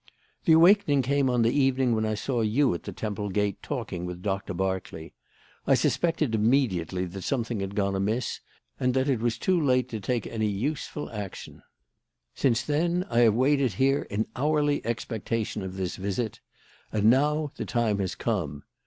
"The awakening came on that evening when I saw you at the Temple gate talking with Doctor Berkeley. I suspected immediately that something had gone amiss and that it was too late to take any useful action. Since then, I have waited here in hourly expectation of this visit. And now the time has come.